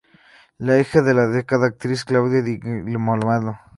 Es hija de la destacada actriz, Claudia Di Girólamo.